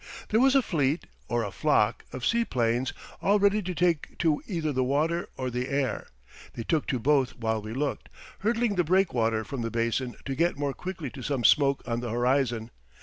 There was a fleet (or a flock) of seaplanes all ready to take to either the water or the air. They took to both while we looked, hurdling the breakwater from the basin to get more quickly to some smoke on the horizon.